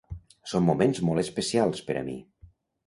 Són moments molt especials per a mi.